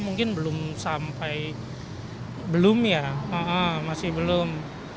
mungkin belum sampai belum ya masih belum